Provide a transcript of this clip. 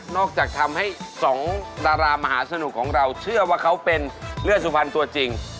จากทำให้สองดารามหาสนุกของเราเชื่อว่าเขาเป็นเลือดสุพรรณตัวจริง